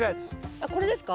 あっこれですか？